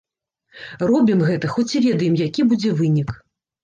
Робім гэта, хоць і ведаем, які будзе вынік.